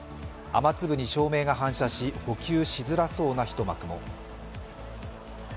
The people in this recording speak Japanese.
雨粒に照明が反射し、捕球しづらそうな一幕も。